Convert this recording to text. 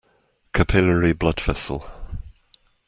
Capillary blood vessel.